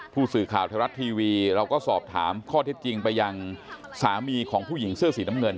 ผู้สื่อข่าวไทยรัฐทีวีเราก็สอบถามข้อเท็จจริงไปยังสามีของผู้หญิงเสื้อสีน้ำเงิน